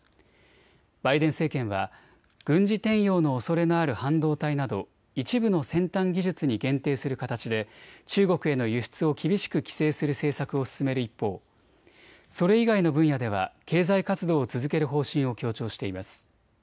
バイデン政権は軍事転用のおそれのある半導体など一部の先端技術に限定する形で中国への輸出を厳しく規制する政策を進める一方、それ以外の分野では経済活動を続ける方針を強調しています。